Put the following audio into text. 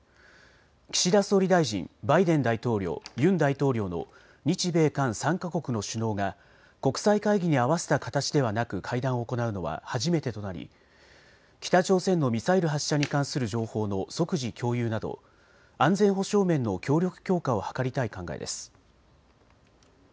岸田総理大臣、バイデン大統領、ユン大統領の日米韓３か国の首脳が国際会議に合わせた形ではなく会談を行うのは初めてとなり北朝鮮のミサイル発射に関する情報の即時共有など安全保障面の協力強化を図りたい考えです。